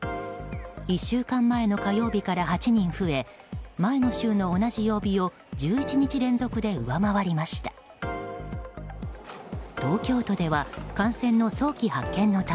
１週間前の火曜日から８人増え前の週の同じ曜日を１１日連続で上回りました。